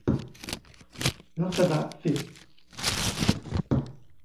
ลักษณะสิบ